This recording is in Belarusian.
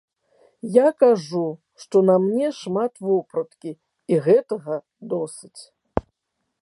Я кажу, што на мне шмат вопраткі, і гэтага досыць.